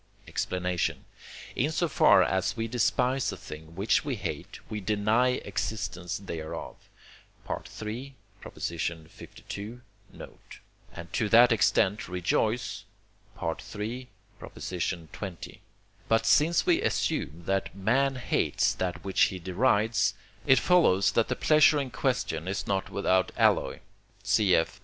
Explanation In so far as we despise a thing which we hate, we deny existence thereof (III. lii. note), and to that extent rejoice (III. xx.). But since we assume that man hates that which he derides, it follows that the pleasure in question is not without alloy (cf.